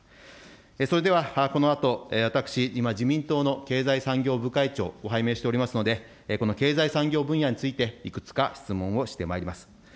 それではこのあと、私、今、自民党の経済産業部会長、拝命しておりますので、この経済産業分野についていくつか質問をしてまいります。